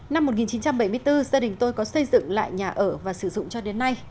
năm một nghìn chín trăm bảy mươi bốn gia đình tôi có xây dựng lại nhà ở và sử dụng cho đến nay